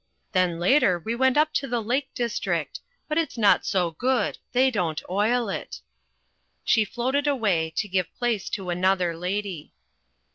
Then later we went up to the lake district: but it's not so good: they don't oil it." She floated away, to give place to another lady.